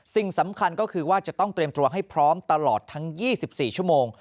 สิ่งสำคัญก็คือว่าจะต้องเตรียมตัวให้พร้อมตลอดทั้ง๒๔ชั่วโมง